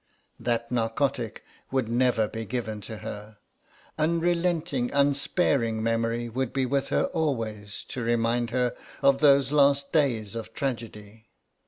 That narcotic would never be given to her. Unrelenting, unsparing memory would be with her always to remind her of those last days of tragedy.